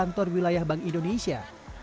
kantor wilayah bank indonesia